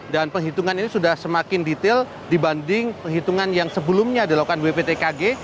dan penghitungan ini sudah semakin detail dibanding penghitungan yang sebelumnya dilakukan bpwtkg